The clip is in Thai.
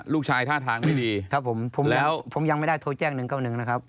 ลูกชายท่าทางไม่ดีครับผมแล้วผมยังไม่ได้โทรแจ้งหนึ่งข้าวหนึ่งนะครับ